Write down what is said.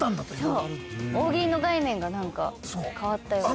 そう大喜利の概念がなんか変わったような。